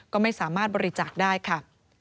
ก็ไม่สามารถบริจาคได้ค่ะ